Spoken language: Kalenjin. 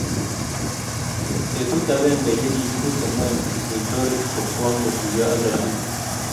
Betu t akenge ye kikubute ngweng koib lorit kokwong kotuyo ak Rashid.